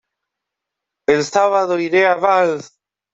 ¡El sábado iré a Valls!